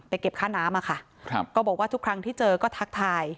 เก็บค่าน้ำอะค่ะครับก็บอกว่าทุกครั้งที่เจอก็ทักทาย